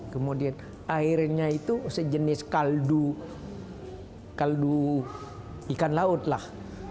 kemudian airnya itu sejenis kaldu ikan laut lah